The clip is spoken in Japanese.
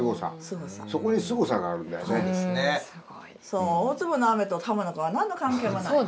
そう大粒の雨と鱧の皮何の関係もない。